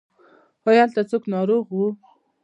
ایا هلته څوک ناروغ و؟